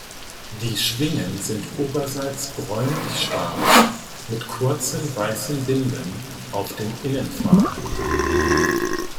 Die Schwingen sind oberseits bräunlich schwarz mit kurzen weißen Binden auf den Innenfahnen.